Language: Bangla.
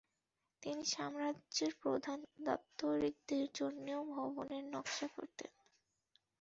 তিনি সাম্রাজ্যের প্রধান দাপ্তরিকদের জন্যেও ভবনের নকশা করতেন।